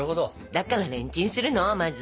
だからレンチンするのまず。